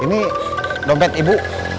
ini dompet ibu